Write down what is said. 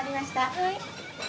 はい。